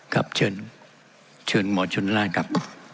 ครับเชิญเชิญหมอชนราชครับ